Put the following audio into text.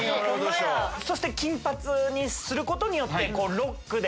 そして金髪にすることによって。